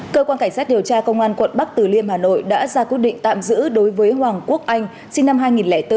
cơ quan cảnh sát điều tra công an quận bắc từ liêm hà nội đã ra quyết định tạm giữ đối với hoàng quốc anh sinh năm hai nghìn bốn